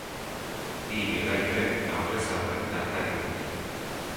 Bi ibilgailuek aurrez aurre talka egin dute.